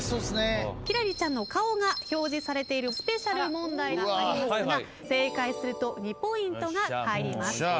輝星ちゃんの顔が表示されているスペシャル問題がありますが正解すると２ポイントが入ります。